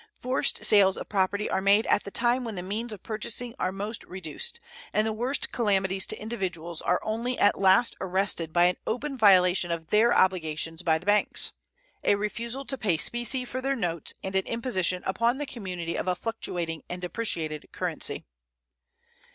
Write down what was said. Forced sales of property are made at the time when the means of purchasing are most reduced, and the worst calamities to individuals are only at last arrested by an open violation of their obligations by the banks a refusal to pay specie for their notes and an imposition upon the community of a fluctuating and depreciated currency.